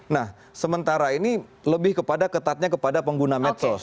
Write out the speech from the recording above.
nah sementara ini lebih kepada ketatnya kepada pengguna medsos